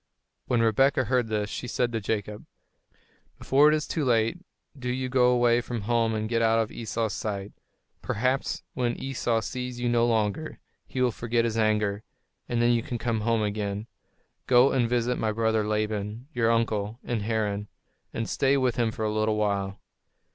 When Rebekah heard this, she said to Jacob, "Before it is too late, do you go away from home and get out of Esau's sight. Perhaps when Esau sees you no longer, he will forget his anger, and then you can come home again. Go and visit my brother Laban, your uncle, in Haran, and stay with him for a little while."